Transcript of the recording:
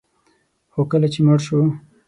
خو کله چې مړ شو